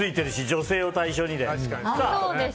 女性を対象にで。